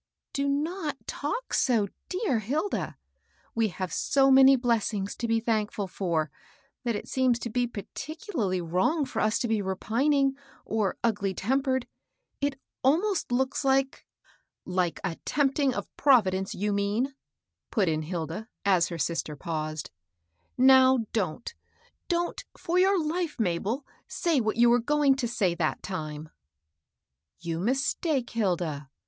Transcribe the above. " Do not talk so, dear Hilda. We have so many blessings to be thank&l for, that it seems to be particularly wrong for us to be repining, or ugly tempered. It almost looks like "— *'Like a tempting of Providence, you mean," put in Hilda, as her sister paused. '* Now don't — don't, for your life, Mabel, say what you were going to say that time I "" You mistake, Hilda.